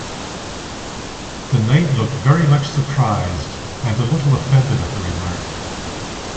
The Knight looked very much surprised, and a little offended at the remark.